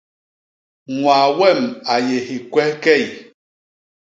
Ñwaa wem a yé hikwehkey.